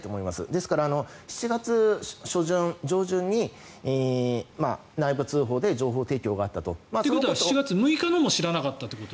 ですから、７月初旬、上旬に内部通報で情報提供があったと。ということは７月６日のも知らなかったということ？